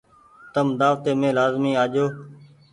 تم دآوتي مين لآزمي آجو ۔